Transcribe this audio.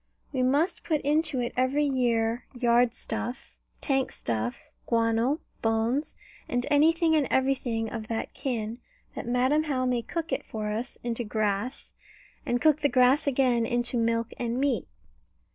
We must put into it every year yard stuff, tank stuff, guano, bones, and anything and everything of that kin, that Madam How may cook it for us into grass, and cook the grass again into milk and meat.